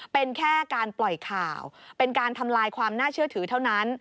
เป็นแค่การปล่อยข่าวเป็นการทำลายความน่าเชื่อถือเท่านั้น